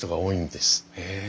へえ。